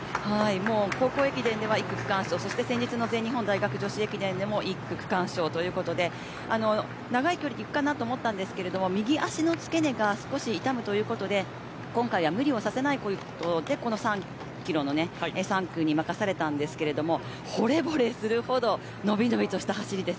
高校駅伝は１区区間賞先日の全日本大学女子駅伝でも１区、区間賞ということで長い距離でいくかなと思ったのですが、右足の付け根が痛むということで今回は無理をさせないということでこの３キロの３区を任されましたがほれぼれするほどのびのびとした走りです。